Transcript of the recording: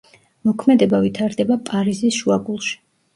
მოქმედება ვითარდება პარიზის შუაგულში.